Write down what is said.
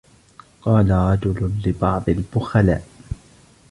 قال رجل لبعض البخلاء